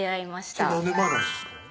それ何年前の話ですか？